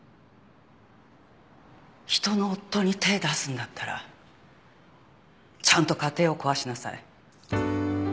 人の夫に手出すんだったらちゃんと家庭を壊しなさい。